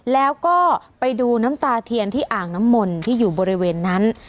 แล้วก็ไปดูน้ำตาเทียนที่อ่างน้ำมนที่อยู่บริเวณนั้น